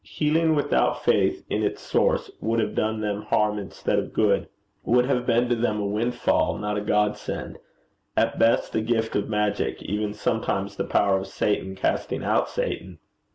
Healing without faith in its source would have done them harm instead of good would have been to them a windfall, not a Godsend; at best the gift of magic, even sometimes the power of Satan casting out Satan.